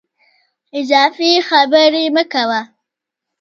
اضافي خبري مه کوه !